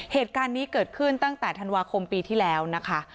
เหตุการณ์นี้เกิดขึ้นตั้งแต่ธันวาคมปีที่แล้วนะคะ